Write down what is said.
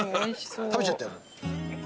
食べちゃったよ。